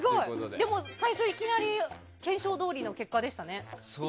でも最初いきなり検証どおりの結果でしたね。